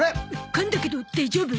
かんだけど大丈夫？